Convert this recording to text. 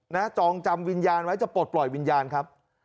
จองจำวิญญาณไว้จะปลดปล่อยวิญญาณครับ